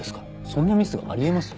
そんなミスがあり得ます？